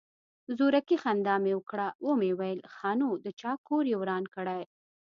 زورکي خندا مې وکړه ومې ويل ښه نو د چا کور يې وران کړى.